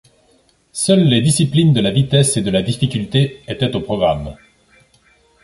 Seules les disciplines de la vitesse et de la difficulté étaient au programme.